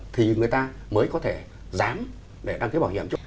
thì người ta mới có thể giám để đăng ký bảo hiểm cho